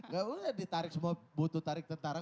gak boleh ditarik semua butuh tarik tentara